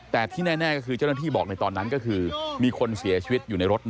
แต่ที่แน่ก็คือเจ้าหน้าที่บอกในตอนนั้นก็คือมีคนเสียชีวิตอยู่ในรถ